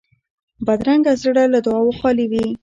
بدرنګه زړه له دعاوو خالي وي